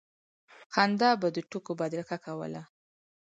خندا به د ټوکو بدرګه کوله.